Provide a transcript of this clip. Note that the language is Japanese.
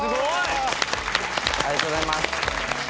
ありがとうございます。